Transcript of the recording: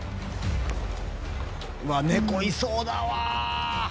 うわっ猫いそうだわ。